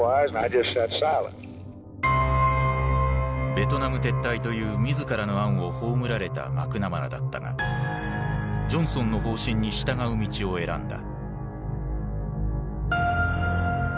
ベトナム撤退という自らの案を葬られたマクナマラだったがジョンソンの方針に従う道を選んだ。